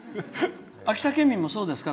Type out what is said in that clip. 秋田県民もそうですか？